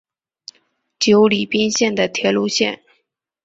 久里滨线的铁路线。